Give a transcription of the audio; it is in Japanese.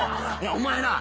お前なぁ。